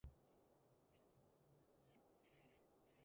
出嚟食宵夜啦